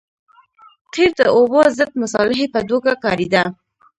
قیر د اوبو ضد مصالحې په توګه کارېده